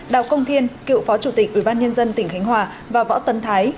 đào công thiên cựu phó chủ tịch ủy ban nhân dân tỉnh khánh hòa và võ tân thái